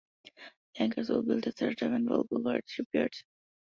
The tankers were built at Saratov and Volgograd shipyards.